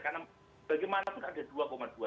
karena bagaimana itu ada dua